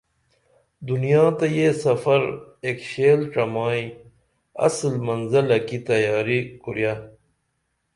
دنیا تہ یہ سفر ایک شیل ڇمائی اصل منزلہ کی تیاری کوریہ